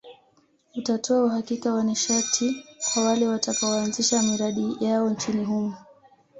Utatoa uhakika wa nishati kwa wale watakaoanzisha miradi yao nchini humo